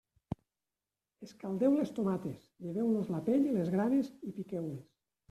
Escaldeu les tomates, lleveu-los la pell i les granes i piqueu-les.